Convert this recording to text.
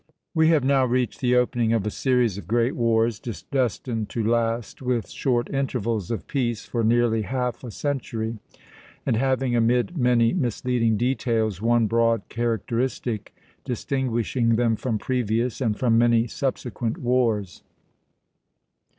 We have now reached the opening of a series of great wars, destined to last with short intervals of peace for nearly half a century, and having, amid many misleading details, one broad characteristic distinguishing them from previous, and from many subsequent, wars.